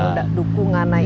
tidak dukungan ini